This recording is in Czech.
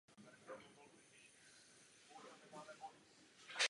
Třetí pozici vybojoval Petr Matuška z firmy Květiny Petr Matuška.